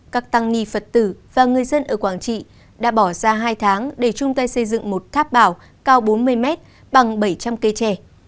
các tăng ni phật tử và người dân ở quảng trị đã bỏ ra hai tháng để chung tay xây dựng một tháp bảo cao bốn mươi mét bằng bảy trăm linh cây tre